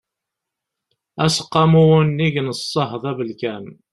aseqqamu unnig n ṣṣehd abelkam